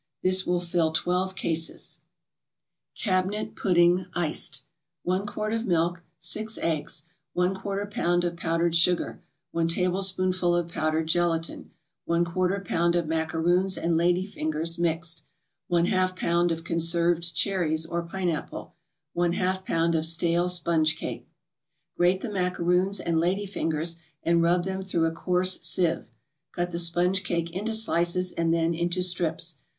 This will fill twelve cases. CABINET PUDDING, ICED 1 quart of milk 6 eggs 1/4 pound of powdered sugar 1 tablespoonful of powdered gelatin 1/4 pound of macaroons and lady fingers, mixed 1/2 pound of conserved cherries or pineapple 1/2 pound of stale sponge cake Grate the macaroons and lady fingers, and rub them through a coarse sieve. Cut the sponge cake into slices and then into strips.